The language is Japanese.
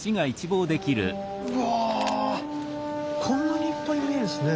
うわこんなにいっぱい見えるんですね。